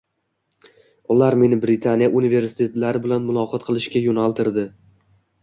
Ular meni Britaniya universitetlari bilan muloqot qilishga yoʻnaltirdi.